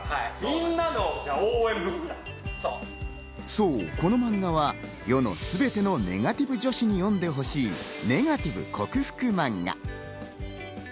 そう、このマンガは世のすべてのネガティブ女子に読んでほしいネガティブ克服マンガ。